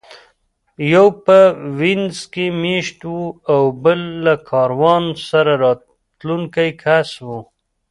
یو په وینز کې مېشت و او بل له کاروان سره تلونکی کس و